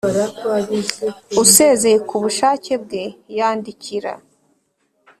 Usezeye ku bushake bwe yandikira